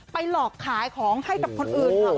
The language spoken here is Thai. ไปหลอกขายของให้กับคนอื่น